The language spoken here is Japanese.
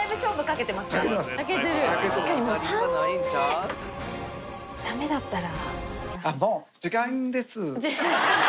確かに３問目ダメだったら。